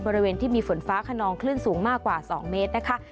บริเวณที่มีฝนฟ้าขนองคลื่นสูงมากกว่า๒เมตรนะคะ